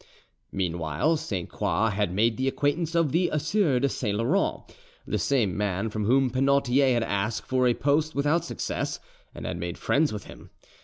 Meanwhile Sainte Croix had made the acquaintance of the Sieur de Saint Laurent, the same man from whom Penautier had asked for a post without success, and had made friends with him.